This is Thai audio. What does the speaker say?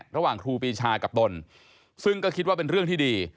ระหว่างครูปีชากับตนซึ่งก็คิดว่าเป็นเรื่องที่ดี